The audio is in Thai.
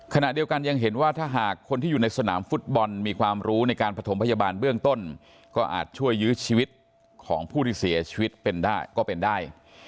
ขณะเดียวกันยังเห็นว่าถ้าหากคนที่อยู่ในสนามฟุตบอลมีความรู้ในการผสมพยาบาลเบื้องต้นก็อาจช่วยยื้อชีวิตของผู้ที่เสียชีวิตเป็นได้ก็เป็นได้